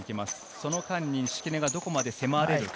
その間に敷根がどこまで迫れるか。